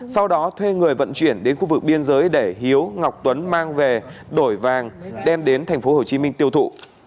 sau đó thuê người vận chuyển đến khu vực biên giới để hiếu ngọc tuấn mang về đổi vàng đem đến tp hcm tiêu thụ